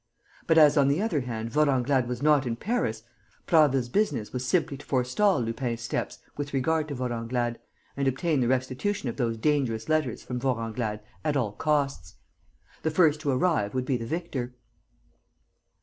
But, as, on the other hand, Vorenglade was not in Paris, Prasville's business was simply to forestall Lupin's steps with regard to Vorenglade and obtain the restitution of those dangerous letters from Vorenglade at all costs. The first to arrive would be the victor.